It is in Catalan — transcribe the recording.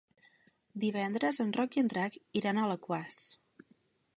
Divendres en Roc i en Drac iran a Alaquàs.